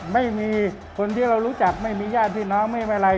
ไม่มีคนที่เรารู้จักไม่มีญาติพี่น้องไม่มีอะไร